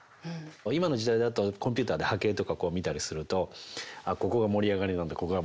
今の時代だとコンピューターで波形とか見たりするとあっここが盛り上がりなんだ